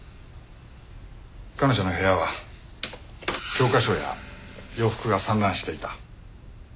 彼女の部屋は教科書や洋服が散乱していた。